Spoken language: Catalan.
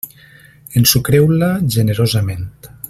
Ensucreu-la generosament.